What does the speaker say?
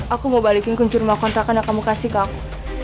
aku mau balikin kunci rumah kontrakan yang kamu kasih ke aku